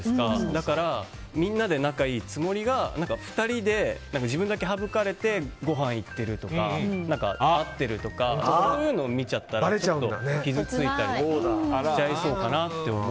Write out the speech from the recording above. だから、みんなで仲いいつもりが２人で自分だけはぶかれてごはん行ってるとか会ってるとかそういうのを見ちゃったら傷ついたりしちゃいそうだなと。